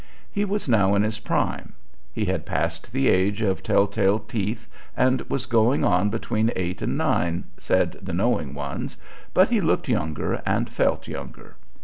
He was now in his prime. He had passed the age of tell tale teeth and was going on between eight and nine, said the knowing ones, but he looked younger and felt younger.